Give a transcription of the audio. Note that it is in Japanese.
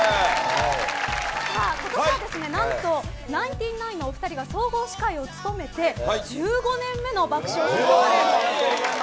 今年は、何とナインティナインのお二人が総合司会を務めて１５年目の「爆笑ヒットパレード」。